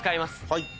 はい。